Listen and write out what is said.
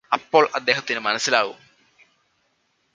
അപ്പോൾ അദ്ദേഹത്തിനു മനസ്സിലാകും